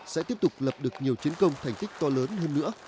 sẽ tiếp tục lập được nhiều chiến công thành tích to lớn hơn nữa